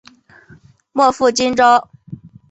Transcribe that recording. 莫负今朝！